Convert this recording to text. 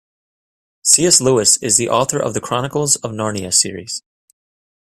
C.S. Lewis is the author of The Chronicles of Narnia series.